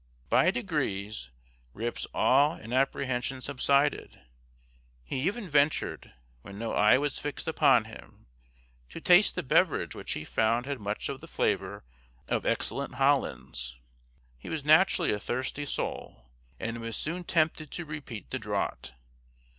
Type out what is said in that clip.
By degrees, Rip's awe and apprehension subsided. He even ventured, when no eye was fixed upon him, to taste the beverage which he found had much of the flavor of excellent Hollands. He was naturally a thirsty soul, and was soon tempted to repeat the draught.